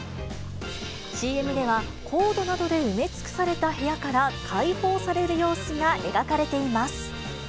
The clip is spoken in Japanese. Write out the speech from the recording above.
ＣＭでは、コードなどで埋め尽くされた部屋から解放される様子が描かれています。